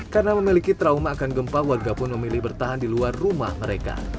karena memiliki trauma akan gempa warga pun memilih bertahan di luar rumah mereka